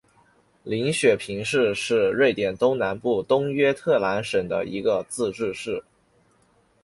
林雪平市是瑞典东南部东约特兰省的一个自治市。